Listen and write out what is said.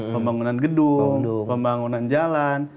pembangunan gedung pembangunan jalan